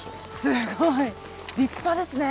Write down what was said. すごい立派ですね。